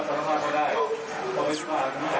ขายของผมขายไม่เคยมีความสุขเลย